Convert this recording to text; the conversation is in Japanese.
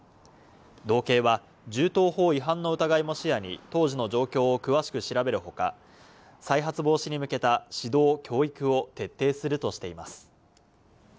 道警は銃刀法違反の疑いも視野に当時の状況を詳しく調べるほか、再発防止に向けた指導教育を徹底するとしています。